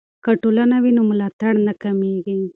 که ټولنه وي نو ملاتړ نه کمېږي.